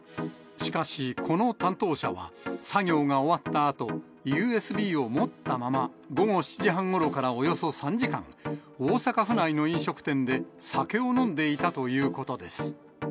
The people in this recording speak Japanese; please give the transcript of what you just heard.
しかし、この担当者は作業が終わったあと、ＵＳＢを持ったまま、午後７時半ごろからおよそ３時間、大阪府内の飲食店で酒を飲んでいたということです。